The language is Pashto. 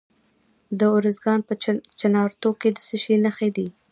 د ارزګان په چنارتو کې د څه شي نښې دي؟